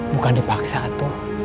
bukan dipaksa tuh